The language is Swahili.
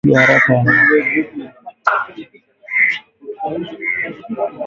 Mapigo ya haraka ya moyo